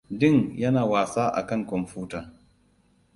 Ding yana wasa a kan komputa.